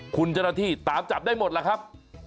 คุณเจ้าหน้าที่ตามจับได้หมดล่ะครับ